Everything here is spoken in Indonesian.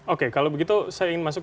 oke kalau begitu saya ingin masuk